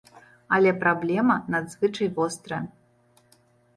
Але праблема надзвычай вострая.